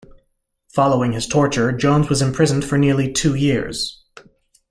Following his torture, Jones was imprisoned for nearly two years.